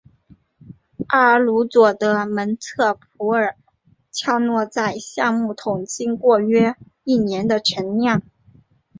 阿布鲁佐的蒙特普尔恰诺在橡木桶经过约一年的陈酿。